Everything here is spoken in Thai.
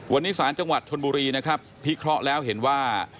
วันนี้ศาลจังหวัดชนบุรีนะครับพิเคราะห์แล้วเห็นว่า